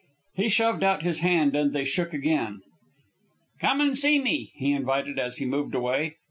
He shoved out his hand and they shook again. "Come an' see me," he invited, as he moved away.